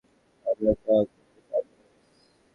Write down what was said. আমরা এটা করতে পারবো না, মেস।